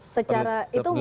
secara itu mungkin